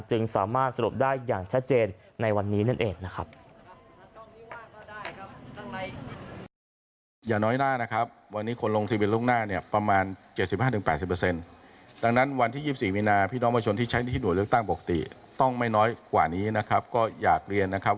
จึงสามารถสรุปได้อย่างชัดเจนในวันนี้นั่นเองนะครับ